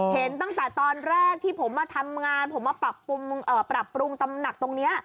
เห็นตั้งแต่ตอนแรกที่ผมมาทำงานผมมาปรับปรุงตำหนักตรงนี้